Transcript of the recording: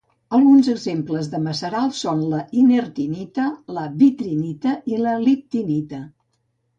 Alguns exemples de macerals són la inertinita, la vitrinita i la liptinita.